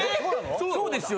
そうですよ。